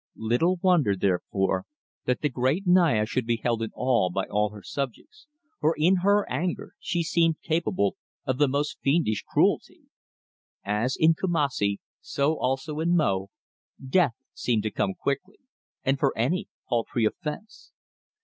Little wonder therefore that the great Naya should be held in awe by all her subjects, for in her anger she seemed capable of the most fiendish cruelty. As in Kumassi, so also in Mo, death seemed to come quickly, and for any paltry offence.